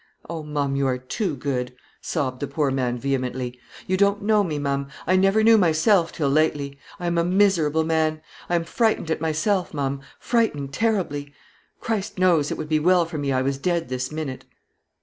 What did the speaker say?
"Oh, ma'am, you are too good," sobbed the poor man, vehemently. "You don't know me, ma'am; I never knew myself till lately. I am a miserable man. I am frightened at myself, ma'am frightened terribly. Christ knows, it would be well for me I was dead this minute."